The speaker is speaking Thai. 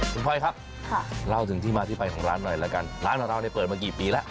คุณพลอยครับเล่าถึงที่มาที่ไปของร้านหน่อยละกันร้านของเราเนี่ยเปิดมากี่ปีแล้ว